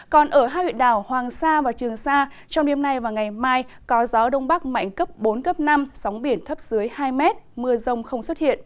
còn ở hai huyện đảo hoàng sa và trường sa trong đêm nay và ngày mai có gió đông bắc mạnh cấp bốn cấp năm sóng biển thấp dưới hai mét mưa rông không xuất hiện